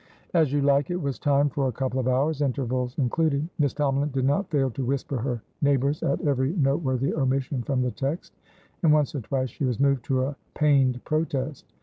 "As You Like It," was timed for a couple of hours, intervals included. Miss Tomalin did not fail to whisper her neighbours at every noteworthy omission from the text, and once or twice she was moved to a pained protest.